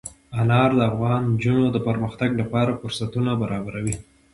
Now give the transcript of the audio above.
انار د افغان نجونو د پرمختګ لپاره فرصتونه برابروي.